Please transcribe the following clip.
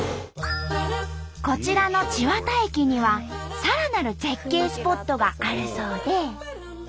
こちらの千綿駅にはさらなる絶景スポットがあるそうで。